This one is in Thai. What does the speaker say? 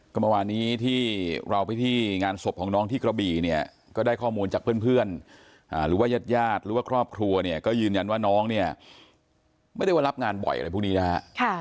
ก็เมื่อวานี้ที่เราไปที่งานศพของน้องที่กระบี่เนี่ยก็ได้ข้อมูลจากเพื่อนหรือว่ายาดหรือว่าครอบครัวเนี่ยก็ยืนยันว่าน้องเนี่ยไม่ได้ว่ารับงานบ่อยอะไรพวกนี้นะฮะ